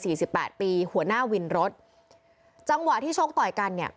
สิบแปดปีหัวหน้าวินรถจังหวะที่ชกต่อยกันเนี่ย